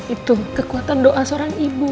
itu kekuatan doa seorang ibu